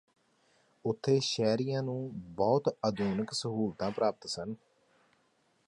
ਓਥੇ ਸ਼ਹਿਰੀਆਂ ਨੂੰ ਬਹੁਤੀਆਂ ਅਧੁਨਕ ਸਹੂਲਤਾਂ ਪ੍ਰਾਪਤ ਸਨ